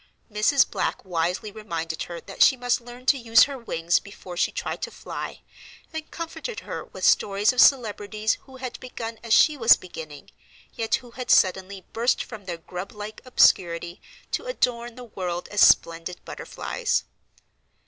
Mrs. Black wisely reminded her that she must learn to use her wings before she tried to fly, and comforted her with stories of celebrities who had begun as she was beginning, yet who had suddenly burst from their grub like obscurity to adorn the world as splendid butterflies.